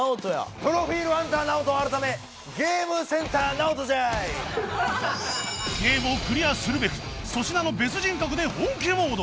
プロフィールハンターナオト改めゲームをクリアするべく粗品の別人格で本気モード